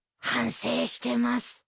反省してます。